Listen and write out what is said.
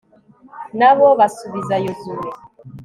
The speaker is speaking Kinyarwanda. na bo basubiza yozuwe